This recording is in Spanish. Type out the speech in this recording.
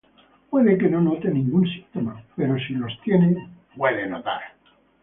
Puede que no note ningún síntoma, pero si los tiene, puede notar: